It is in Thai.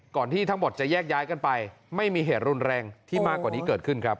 ที่ทั้งหมดจะแยกย้ายกันไปไม่มีเหตุรุนแรงที่มากกว่านี้เกิดขึ้นครับ